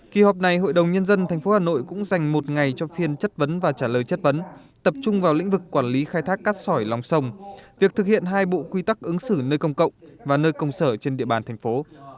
kỳ họp này hội đồng nhân dân tp hà nội cũng dành một ngày cho phiên chất vấn và trả lời chất vấn tập trung vào lĩnh vực quản lý khai thác cát sỏi lòng sông việc thực hiện hai bộ quy tắc ứng xử nơi công cộng và nơi công sở trên địa bàn thành phố